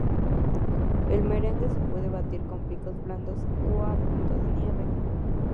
El merengue se puede batir con picos blandos o a punto de nieve.